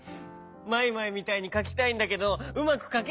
マイマイみたいにかきたいんだけどうまくかけなくて。